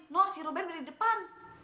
nol si ruben beli depan